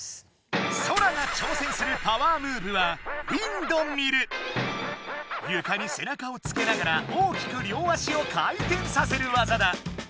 ソラがちょうせんするパワームーブはゆかに背中をつけながら大きく両足を回転させるわざだ！